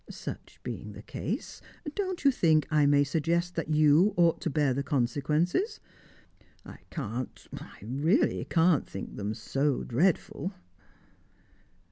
Such being the case, don't you think I may suggest that you ought to bear the consequences? I can't I really can't think them so dreadful."